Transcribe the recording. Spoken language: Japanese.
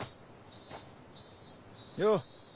よう。